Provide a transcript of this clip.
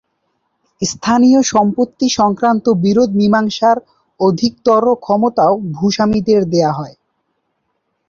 স্থানীয় সম্পত্তি সংক্রান্ত বিরোধ মীমাংসার অধিকতর ক্ষমতাও ভূস্বামীদের দেওয়া হয়।